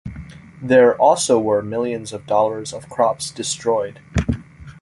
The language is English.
There also were millions of dollars of crops destroyed.